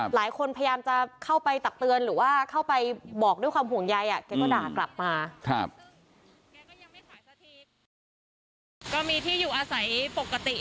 หลายคนพยายามจะเข้าไปตักเตือนหรือว่าเข้าไปบอกด้วยความห่วงใย